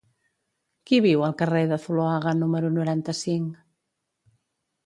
Qui viu al carrer de Zuloaga número noranta-cinc?